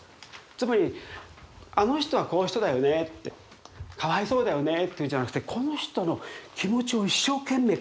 つまりあの人はこういう人だよね。ってかわいそうだよねっていうんじゃなくてこの人の気持ちを一生懸命考えてみる。